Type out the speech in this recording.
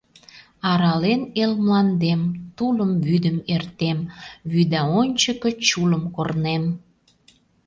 Арален эл мландем, Тулым-вӱдым эртем, — Вӱда ончыко чулым корнем.